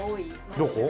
どこ？